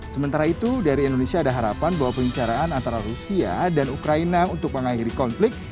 sementara itu dari indonesia ada harapan bahwa pembicaraan antara rusia dan ukraina untuk mengakhiri konflik